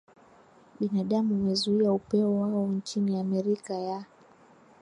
binadamu umezuia upeo wao nchini Amerika ya